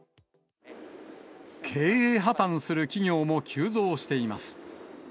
経営破綻する企業も急増しています。